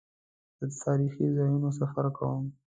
زه د تاریخي ځایونو سفر کوم.